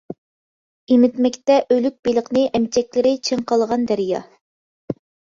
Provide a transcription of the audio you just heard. ئېمىتمەكتە ئۆلۈك بېلىقنى ئەمچەكلىرى چىڭقالغان دەريا.